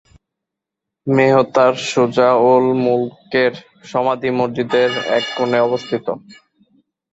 মেহতার সুজা উল-মুলকের সমাধি মসজিদের এক কোণে অবস্থিত।